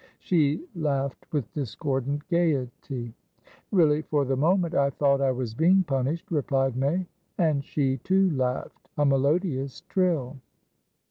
She laughed with discordant gaiety. "Really, for the moment I thought I was being punished," replied May. And she too laughed, a melodious trill.